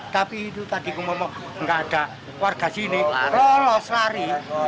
tapi itu tadi aku ngomong gak ada warga sini lolos lari